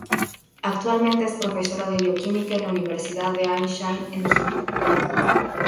Actualmente es profesora de bioquímica en la Universidad Ain Shams, en Egipto.